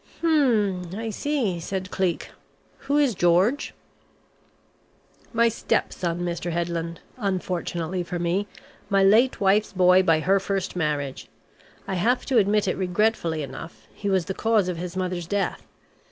"Hmm. I see," said Cleek. "Who is George?" "My stepson, Mr. Headland unfortunately for me my late wife's boy by her first marriage. I have to admit it regretfully enough, he was the cause of his mother's death.